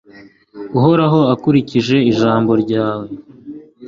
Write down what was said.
Uhoraho ukurikije ijambo ryawe